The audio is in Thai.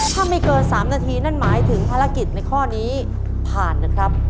ถ้าไม่เกิน๓นาทีนั่นหมายถึงภารกิจในข้อนี้ผ่านนะครับ